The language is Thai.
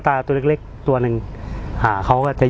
พี่ชอบจริงบอกว่าชอบทุก